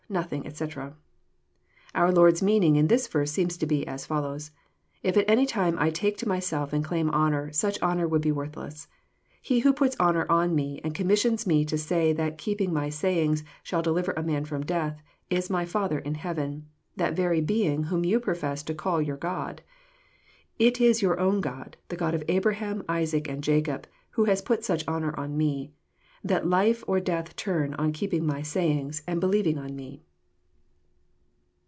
.nothing, etc.'] Our Lord's meaning in this verse seems to be as follows :" If at any time I take to myself and claim honour, such honour would be worthless. He who puts honour on Me, and commissions Me to say that keep ing My saying shall deliver a man from death, is My Father in heaven, — that very Being whom you profess to call your God. It is your own God, the God of Abraham, Isaac, and Jacob, who has put such honour on Me, that life or death turn on keeping My sayings, and believing on Me."